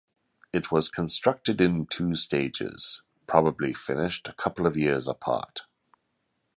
It was constructed in two stages, probably finished a couple of years apart.